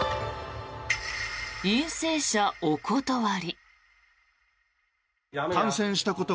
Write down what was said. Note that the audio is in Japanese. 陰性者お断り。